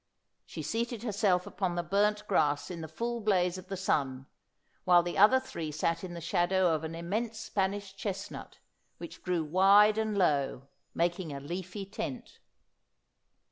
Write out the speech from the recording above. She seated herself on the burnt grass in the full blaze of the sun, while the other three sat in the shadow of an immense Spanish chestnut, which grew wide and low, making a leafy tent.